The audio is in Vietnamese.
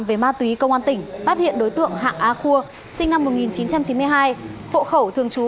về ma túy công an tỉnh phát hiện đối tượng hạng a khua sinh năm một nghìn chín trăm chín mươi hai hộ khẩu thường trú